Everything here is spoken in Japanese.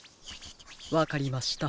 わかりました。